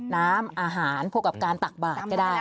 น้ำอาหารพวกกับการตักบาทก็ได้